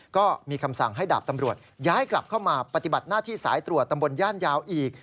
ก็มีคำสั่งให้ดาบตำรวจย้ายกลับเข้ามาปฏิบัติหน้าที่สายตรวจตำบลย่านยาวอีก